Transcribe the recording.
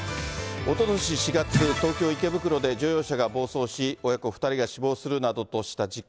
おととし４月、東京・池袋で乗用車が暴走し、親子２人が死亡するなどとした事故。